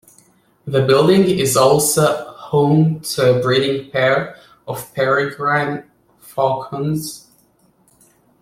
The building is also home to a breeding pair of peregrine falcons.